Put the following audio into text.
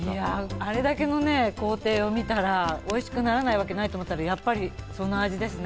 あれだけの工程を見たらおいしくならないわけないと思ったらやっぱりその味ですね。